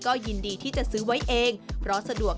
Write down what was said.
เธออยากให้ชี้แจ่งความจริง